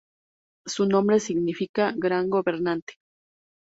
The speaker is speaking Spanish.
Su nombre significa "Gran gobernante".